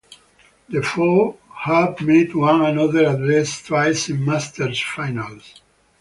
The four have met one another at least twice in Masters finals.